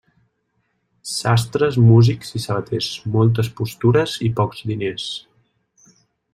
Sastres, músics i sabaters, moltes postures i pocs diners.